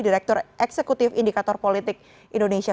direktur eksekutif indikator politik indonesia